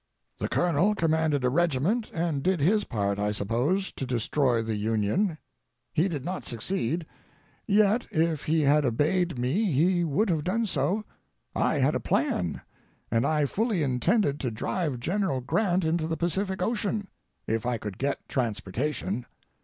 The Colonel commanded a regiment, and did his part, I suppose, to destroy the Union. He did not succeed, yet if he had obeyed me he would have done so. I had a plan, and I fully intended to drive General Grant into the Pacific Ocean—if I could get transportation.